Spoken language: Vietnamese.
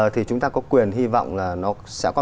thì chúng ta có quyền hy vọng là nó sẽ có